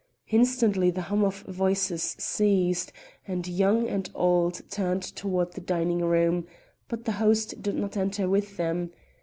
Instantly the hum of voices ceased, and young and old turned toward the dining room, but the host did not enter with them.